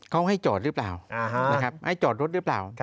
เขาให้จอดหรือเปล่านะครับให้จอดรถหรือเปล่า